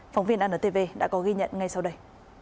phóng viên antv đã có ghi nhận ngay sau đây